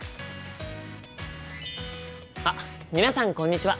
あっ皆さんこんにちは！